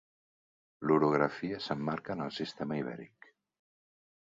L'orografia s'emmarca en el Sistema Ibèric.